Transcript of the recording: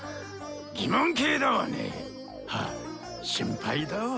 疑問形だわね。は心配だわ。